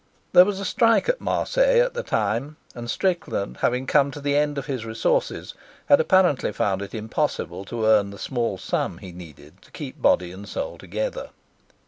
There was a strike at Marseilles at the time, and Strickland, having come to the end of his resources, had apparently found it impossible to earn the small sum he needed to keep body and soul together.